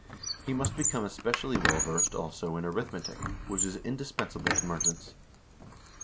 He must become especially well versed, also, in arithmetic, which is indispensable to merchants.